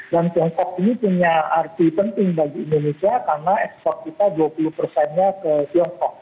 dan tiongkok ini punya arti penting bagi indonesia karena ekspor kita dua puluh nya ke tiongkok